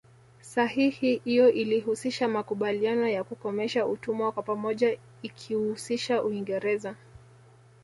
Sahihi iyo ilihusisha makubaliano ya kukomesha utumwa kwa pamoja ikiihusisha Uingereza